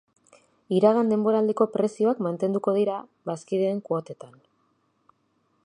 Iragan denboraldiko prezioak mantenduko dira bazkideen kuotetean.